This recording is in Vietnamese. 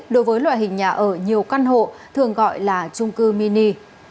đối với loại hình nhà ở nhiều căn hộ thường gọi là trung cư mini